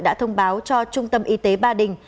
đã thông báo cho trung tâm y tế ba đình